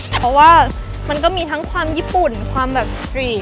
เพราะว่ามันก็มีทั้งความญี่ปุ่นความแบบกรีด